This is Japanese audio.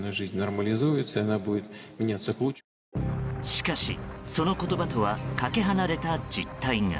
しかし、その言葉とはかけ離れた実態が。